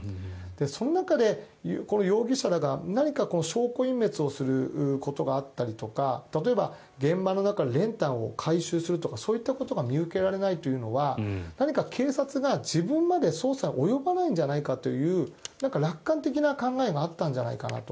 その中で容疑者らが何か証拠隠滅をすることがあったりとか例えば現場の中で練炭を回収するとかそういったことが見受けられないというのは何か、警察が自分まで捜査が及ばないんじゃないかという楽観的な考えがあったんじゃないかなと。